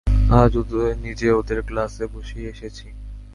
আজ নিজে ওদের ক্লাসে বসিয়ে এসেছি।